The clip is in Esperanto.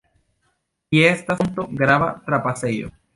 Tie estas ponto, grava trapasejo.